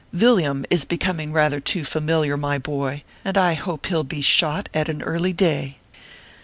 Villiam is becoming rather too familiar, my boy, and I hope he ll be shot at an early day.